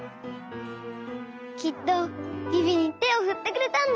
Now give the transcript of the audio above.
きっとビビにてをふってくれたんだ！